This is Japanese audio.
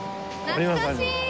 懐かしい！